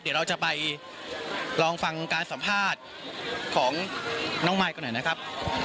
เดี๋ยวเราจะไปลองฟังการสัมภาษณ์ของน้องมายกันหน่อยนะครับ